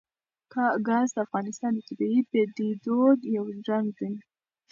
ګاز د افغانستان د طبیعي پدیدو یو رنګ دی.